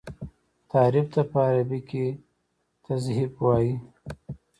تحريف ته په عربي کي تزييف وايي.